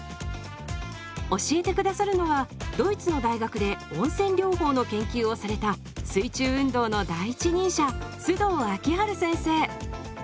教えて下さるのはドイツの大学で温泉療法の研究をされた水中運動の第一人者須藤明治先生。